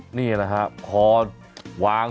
จัดกระบวนพร้อมกัน